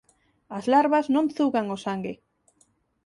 As larvas non zugan o sangue.